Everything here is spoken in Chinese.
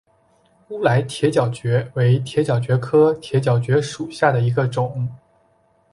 乌来铁角蕨为铁角蕨科铁角蕨属下的一个种。